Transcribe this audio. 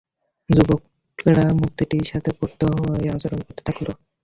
যুবকরা মূর্তিটির সাথে প্রত্যহ ঐ আচরণ করতে থাকল।